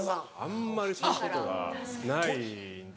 あんまりそういうことがないんで。